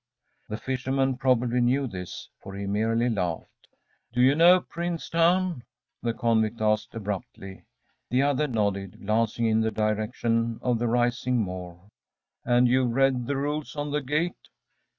‚ÄĚ The fisherman probably knew this, for he merely laughed. “Do you know Prince Town?‚ÄĚ the convict asked abruptly. The other nodded, glancing in the direction of the rising moor. “And you've read the rules on the gate?